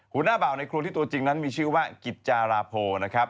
หน้าบ่าวในครัวที่ตัวจริงนั้นมีชื่อว่ากิจจาราโพนะครับ